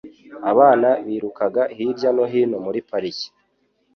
Abana birukaga hirya no hino muri parike